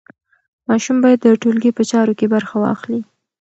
ماشوم باید د ټولګي په چارو کې برخه واخلي.